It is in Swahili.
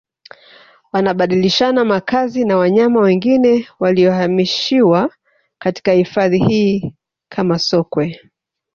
wanabadilishana makazi na wanyama wengine waliohamishiwa katika hifadhi hii kama Sokwe